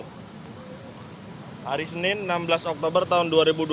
hari senin enam belas oktober tahun dua ribu dua puluh